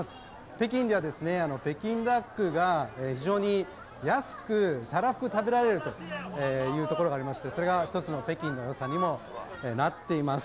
北京は北京ダックが非常に安く、たらふく食べられるところがありまして、それが一つの北京の良さにもなっています。